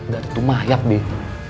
gak tentu mayap deh